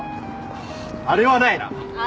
あああれはないな。